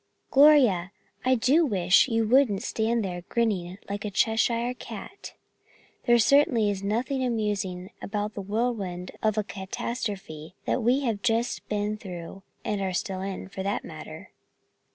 "Gloria, I do wish you wouldn't stand there grinning like a Cheshire cat. There certainly is nothing amusing about the whirlwind of a catastrophe that we have just been through and are still in, for that matter."